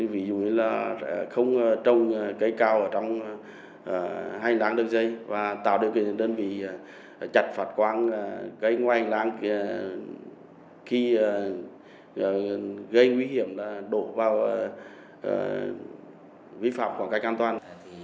ví dụ như là không trông cây cao trong hành lang đường dây và tạo điều kiện cho đơn vị chặt phạt quang cây ngoài hành lang khi gây nguy hiểm đổ vào vi phạm khoảng cách an toàn